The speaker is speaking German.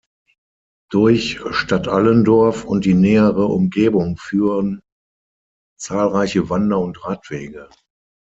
Durch Stadtallendorf und die nähere Umgebung führen zahlreiche Wander- und Radwege.